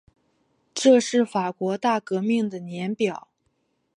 这是法国大革命的年表